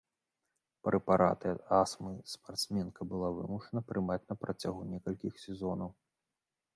Прэпараты ад астмы спартсменка была вымушана прымаць на працягу некалькіх сезонаў.